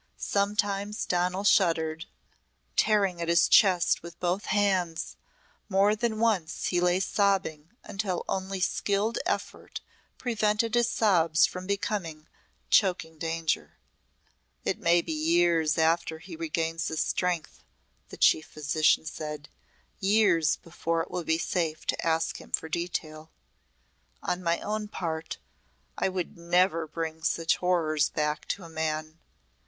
Sometimes Donal shuddered, tearing at his chest with both hands, more than once he lay sobbing until only skilled effort prevented his sobs from becoming choking danger. "It may be years after he regains his strength," the chief physician said, "years before it will be safe to ask him for detail. On my own part I would never bring such horrors back to a man.